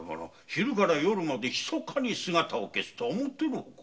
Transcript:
昼から夜までひそかに姿を消すとはもってのほか。